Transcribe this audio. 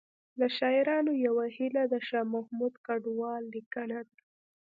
له شاعرانو یوه هیله د شاه محمود کډوال لیکنه ده